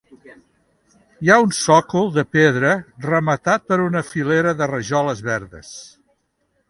Hi ha un sòcol de pedra rematat per una filera de rajoles verdes.